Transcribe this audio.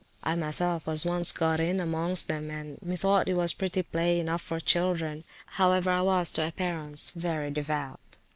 I myself was once got in amongst them, and methought it was a pretty play enough for children, however, I was to appearance very devout.